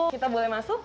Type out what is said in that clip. kita boleh masuk